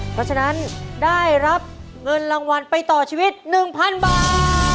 เพราะฉะนั้นได้รับเงินรางวัลไปต่อชีวิต๑๐๐๐บาท